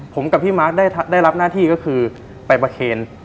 ผมกับพี่มาร์คได้รับหน้าที่ก็คือไปประเคน